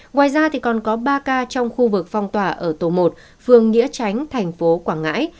ngoài ra còn có ba ca trong khu vực phong tỏa ở tổ một phường nghĩa tránh thành phố quảng ngãi